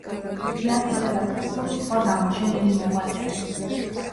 თეატრისა და კულტურის სხვა გამოჩენილი მოღვაწენი.